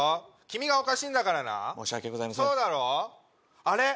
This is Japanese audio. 君がおかしいんだからな申し訳ございませんそうだろあれ